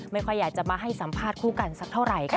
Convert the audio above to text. ไม่ค่อยอยากจะมาให้สัมภาษณ์คู่กันสักเท่าไหร่ค่ะ